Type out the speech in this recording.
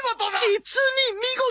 実に見事！